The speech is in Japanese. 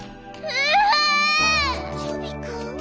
チョビくん？